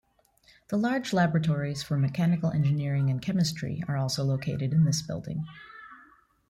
The large laboratories for Mechanical Engineering and Chemistry are also located in this building.